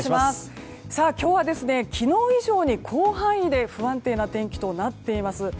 今日は昨日以上に広範囲で不安定な天気となっています。